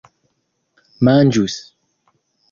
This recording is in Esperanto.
manĝus